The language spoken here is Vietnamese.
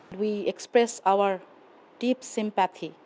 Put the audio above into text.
chúng tôi xin được gửi lời chia buồn